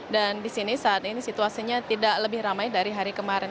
dan di sini saat ini situasinya tidak lebih ramai dari hari kemarin